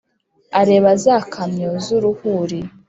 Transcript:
areba za kamyo z’uruhuri